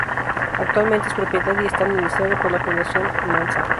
Actualmente es propiedad y está administrado por la Fundación Mansart.